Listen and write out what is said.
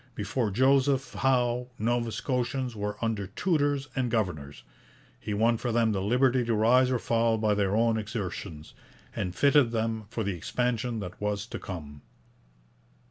Before Joseph Howe Nova Scotians were under tutors and governors; he won for them the liberty to rise or fall by their own exertions, and fitted them for the expansion that was to come.